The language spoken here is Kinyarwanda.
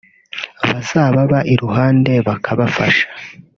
bazababa iruhande bakabafasha (…)